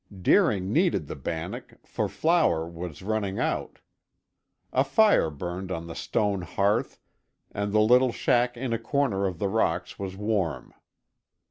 Deering needed the bannock, for flour was running out. A fire burned on the stone hearth and the little shack in a corner of the rocks was warm.